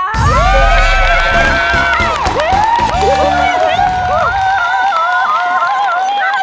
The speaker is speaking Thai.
โอ้โห